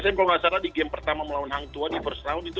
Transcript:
saya kalau nggak salah di game pertama melawan hang tua di first round itu